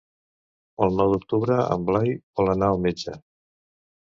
El nou d'octubre en Blai vol anar al metge.